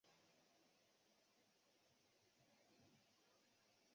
স্বামী হয়েই রক্ষে নেই তো আরো কিছু!